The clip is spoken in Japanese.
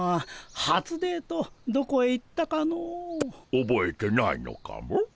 おぼえてないのかモ？